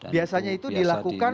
biasanya itu dilakukan